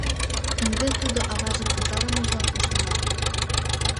Ынде тудо аважын утарымыжлан ӱшана.